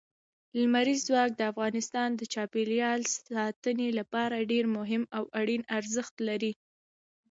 لمریز ځواک د افغانستان د چاپیریال ساتنې لپاره ډېر مهم او اړین ارزښت لري.